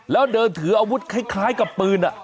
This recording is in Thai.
แล้วเดินถืออาวุธคล้ายกับปืน